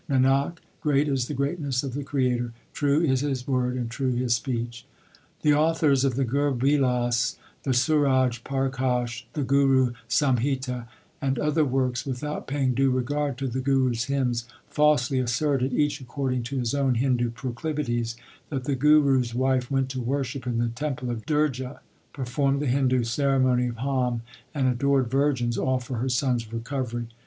Nanak, great is the greatness of the Creator ; true is His word and true His speech. 3 The authors of the Gur Bilas , the Suraj Parkash , the Guru Samhita and other works, without paying due regard to the Guru s hymns, falsely asserted, each according to his own Hindu proclivities, that the Guru s wife went to worship in the temple of Durga, performed the Hindu ceremony of horn, and adored virgins, all for her son s recovery.